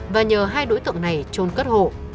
và nhờ hai đối tượng này trôn cất hộ